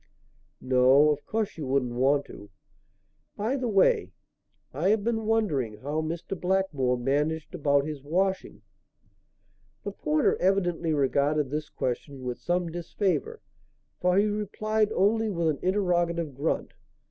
"No, of course you wouldn't want to. By the way, I have been wondering how Mr. Blackmore managed about his washing." The porter evidently regarded this question with some disfavour, for he replied only with an interrogative grunt.